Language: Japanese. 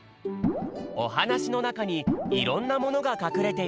おはなしのなかにいろんなものがかくれているよ。